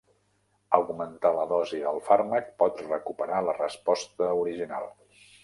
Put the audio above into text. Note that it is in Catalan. Augmentar la dosi del fàrmac pot recuperar la resposta original.